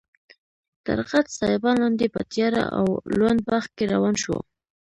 تر غټ سایبان لاندې په تیاره او لوند باغ کې روان شوو.